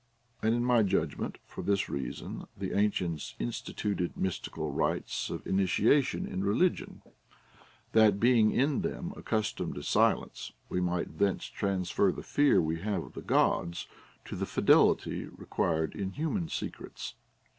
And, in my judgment, for this reason the ancients insti tuted mystical rites of initiation in religion, that, being in them accustomed to silence, we might thence transfer the fear Λνο have of the Gods to the fidelity required in human secrets.